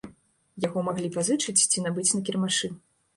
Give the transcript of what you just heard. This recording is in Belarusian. Яго маглі пазычыць ці набыць на кірмашы.